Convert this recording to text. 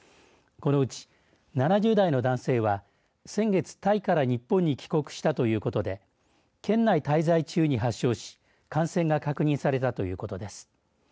このうち７０代の男性は先月タイから日本に帰国したということで県内滞在中に発症し感染が確認されたということです。